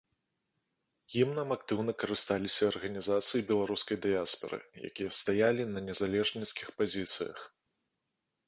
Гімнам актыўна карысталіся арганізацыі беларускай дыяспары, якія стаялі на незалежніцкіх пазіцыях.